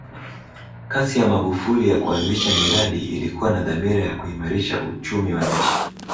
kasi ya magufuli ya kuanzisha miradi ilikuwa na dhamira ya kuimarisha uchumia wa nchi